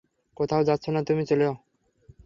কোথাও যাচ্ছো না তুমি চলো।